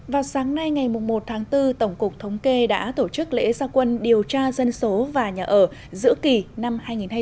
vào sáng nay ngày một tháng bốn tổng cục thống kê đã tổ chức lễ gia quân điều tra dân số và nhà ở giữa kỳ năm hai nghìn hai mươi bốn